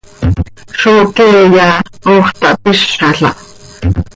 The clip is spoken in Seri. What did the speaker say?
¡Zó queeya hoox tahpizàl ah!